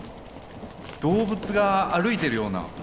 動物が歩いてるような。